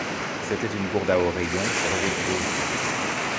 C’était une gourde à oreillons, revêtue d’osier.